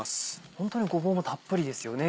ホントにごぼうもたっぷりですよね